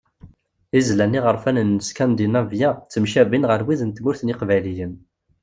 Izlan iɣerfanen n Skandinavya ttemcabin ɣer wid n tmurt n yiqbayliyen.